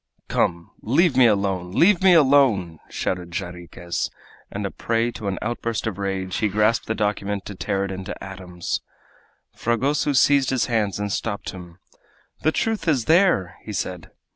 "Come, leave me alone! leave me alone!" shouted Jarriquez, and, a prey to an outburst of rage, he grasped the document to tear it to atoms. Fragoso seized his hands and stopped him. "The truth is there!" he said.